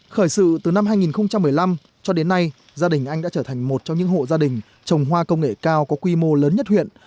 khởi sự từ năm hai nghìn một mươi năm cho đến nay gia đình anh đã trở thành một trong những hộ gia đình trồng hoa công nghệ cao có quy mô lớn nhất huyện